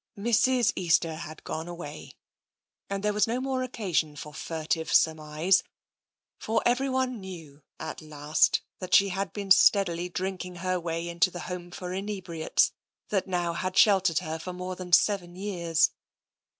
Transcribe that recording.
Mrs. Easter had gone away, and there was no more occasion for furtive surmise, for everyone knew at last that she had been steadily drinking her way into the home for inebriates that now had sheltered her for more than seven years.